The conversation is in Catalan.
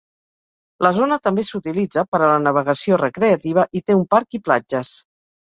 La zona també s'utilitza per a la navegació recreativa i té un parc i platges.